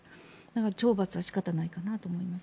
懲罰は仕方ないかなと思います。